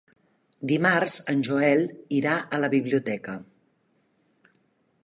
Dimarts en Joel irà a la biblioteca.